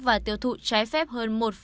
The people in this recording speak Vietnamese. và tiêu thụ trái phép hơn một